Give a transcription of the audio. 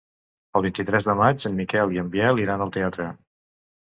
El vint-i-tres de maig en Miquel i en Biel iran al teatre.